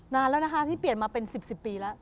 นานแล้วนะคะที่เปลี่ยนมาเป็น๑๐ปีแล้ว